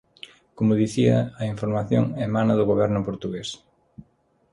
Como dicía, a información emana do Goberno portugués.